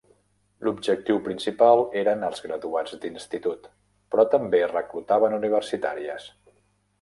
L'objectiu principal eren els graduats d'institut, però també reclutaven universitàries.